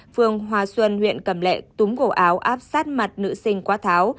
phường hòa xuân huyện cẩm lệ túm cổ áo áp sát mặt nữ sinh quát tháo